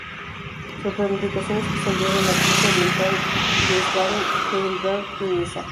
Sus planificaciones se extendieron a Prusia Oriental, Wiesbaden, Heidelberg y Niza.